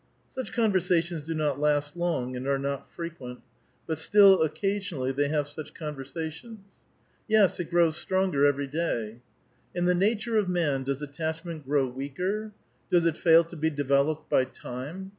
Such conversations do not last long, and are not frequent ; but still, occasionally, they liave such conversations. " Yes, it grows stronger every year." " In the nature of man does attachment grow weaker? does it fail to be developed by time